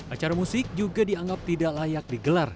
acara musik juga dianggap tidak layak digelar